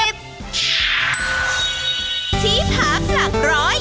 ที่พักหลัก๑๐๐